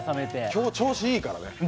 今日、調子いいからね。